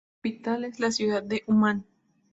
La capital es la ciudad de Uman.